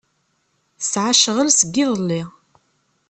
Tesɛa ccɣel seg iḍelli.